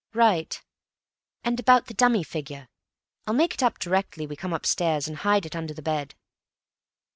"Right. And about the dummy figure. I'll make it up directly we come upstairs, and hide it under the bed."